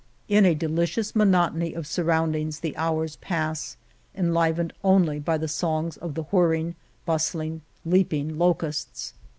In a delicious monotony of surroundings the hours pass, enlivened only by the songs of the whirring, bustling, leaping locusts.